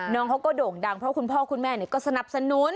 น้องเขาก็โด่งดังเพราะคุณพ่อคุณแม่ก็สนับสนุน